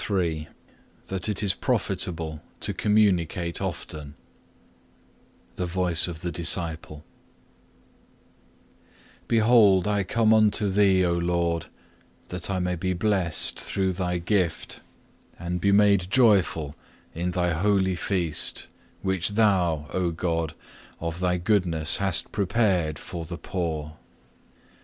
CHAPTER III That it is profitable to Communicate often The Voice of the Disciple Behold I come unto Thee, O Lord, that I may be blessed through Thy gift, and be made joyful in Thy holy feast which Thou, O God, of Thy goodness hast prepared for the poor.